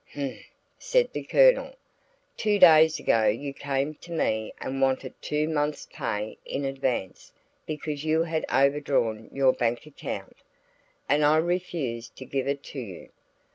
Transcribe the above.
"H'm!" said the Colonel. "Two days ago you came to me and wanted two months' pay in advance because you had overdrawn your bank account, and I refused to give it to you.